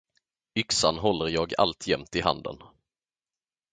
Yxan håller jag alltjämt i handen.